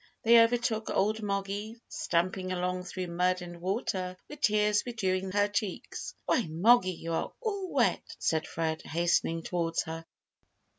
They overtook old Moggy, stumping along through mud and water, with tears bedewing her cheeks. "Why, Moggy, you are all wet!" said Fred, hastening towards her.